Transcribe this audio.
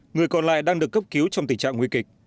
người còn lại đang được cấp cứu trong tình trạng nguy kịch